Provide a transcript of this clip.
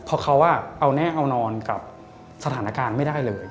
เพราะเขาเอาแน่เอานอนกับสถานการณ์ไม่ได้เลย